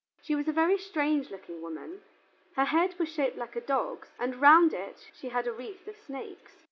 She was a very strange looking woman: her head was shaped like a dog's, and round it she had a wreath of snakes.